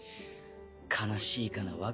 悲しいかな